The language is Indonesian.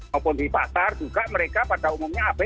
maupun di pasar juga mereka pada umumnya apb